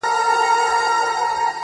خو پيشو راته په لاره كي مرگى دئ.!